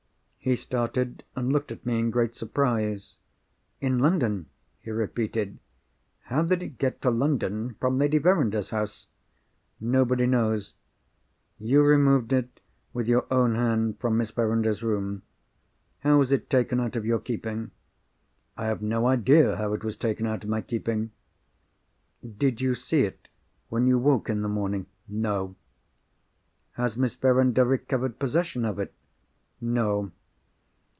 He started, and looked at me in great surprise. "In London?" he repeated. "How did it get to London from Lady Verinder's house?" "Nobody knows." "You removed it with your own hand from Miss Verinder's room. How was it taken out of your keeping?" "I have no idea how it was taken out of my keeping." "Did you see it, when you woke in the morning?" "No." "Has Miss Verinder recovered possession of it?" "No."